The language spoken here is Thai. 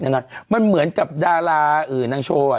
แต่มันเหมือนกับดาราอื่นนางโชว์อ่ะ